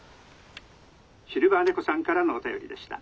シルバーねこさんからのお便りでした。